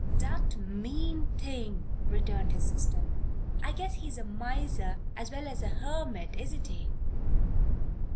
"That mean thing!" returned his sister. "I guess he's a miser as well as a hermit; isn't he?"